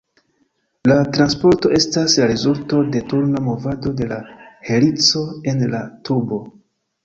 La transporto estas la rezulto de turna movado de la helico en la tubo.